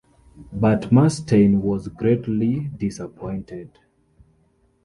But Manstein was greatly disappointed.